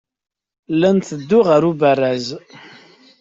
La netteddu ɣer ubaraz.